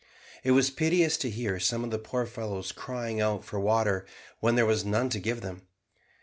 It was piteous to hear some of the poor fellows crying out for water when there was none to give them.